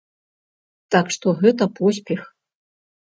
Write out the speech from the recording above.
Так што, гэта поспех.